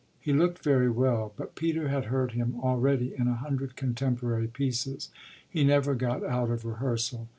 He looked very well, but Peter had heard him already in a hundred contemporary pieces; he never got out of rehearsal.